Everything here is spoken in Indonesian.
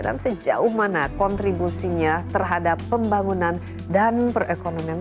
dan sejauh mana kontribusinya terhadap pembangunan dan perekonomian